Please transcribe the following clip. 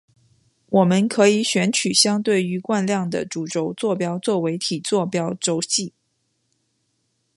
我们可以选取相对于惯量的主轴坐标为体坐标轴系。